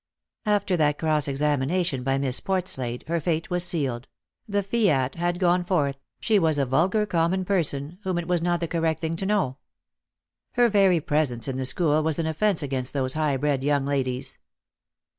After that cross examination by Miss Portslade, her fate was sealed — the fiat had gone forth — she was a vulgar common person, whom it was not the correct thing to know. Her very presence in the school was an offence against those high bred young ladies.